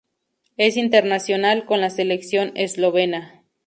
Es internacional con la selección eslovena.